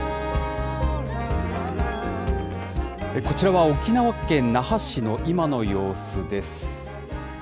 こちらは沖縄県那覇市の今の様子です。